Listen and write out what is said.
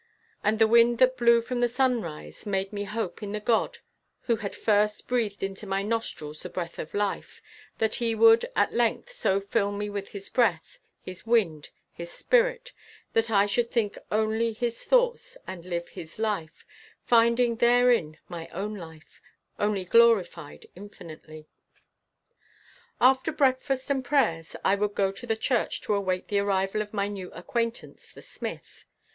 And the wind that blew from the sunrise made me hope in the God who had first breathed into my nostrils the breath of life, that he would at length so fill me with his breath, his wind, his spirit, that I should think only his thoughts and live his life, finding therein my own life, only glorified infinitely. After breakfast and prayers, I would go to the church to await the arrival of my new acquaintance the smith.